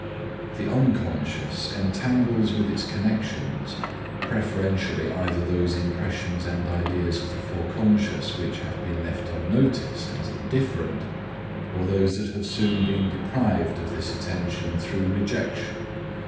The unconscious entangles with its connections preferentially either those impressions and ideas of the foreconscious which have been left unnoticed as indifferent, or those that have soon been deprived of this attention through rejection.